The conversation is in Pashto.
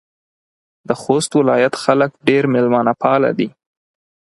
د خوست ولایت خلک ډېر میلمه پاله دي.